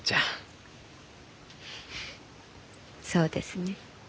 そうですね。